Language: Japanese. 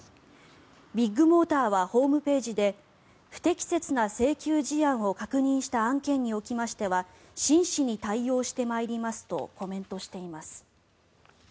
ビッグモーターはホームページで不適切な請求事案を確認した案件におきましては真摯に対応していまいりますとコメントしています。